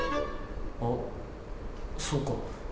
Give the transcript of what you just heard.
あそっか。